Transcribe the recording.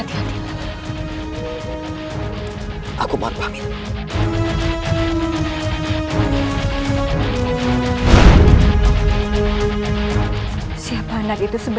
terima kasih atas bantuanmu